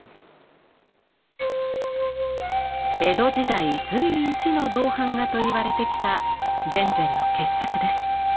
江戸時代随一の銅版画と言われてきた田善の傑作です。